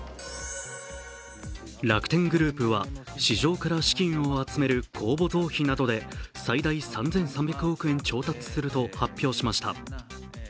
楽天グループは市場から資金を集める公募増資などで最大３３００億円調達すると発表しました。